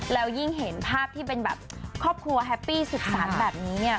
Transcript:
แล้วยิ่งเห็นภาพที่เป็นแบบครอบครัวแฮปปี้สุขสรรค์แบบนี้เนี่ย